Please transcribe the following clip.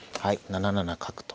７七角と。